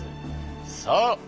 そう！